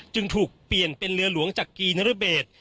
จึงถูกเปลี่ยนเป็นเรือหลวงจักรีนรเบศ